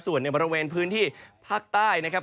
ส่วนในบริเวณพื้นที่ภาคใต้นะครับ